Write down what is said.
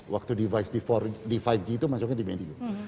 waktu device di lima g itu masuknya di medium